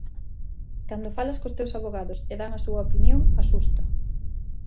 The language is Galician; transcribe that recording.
Cando falas cos teus avogados e dan a súa opinión, asusta.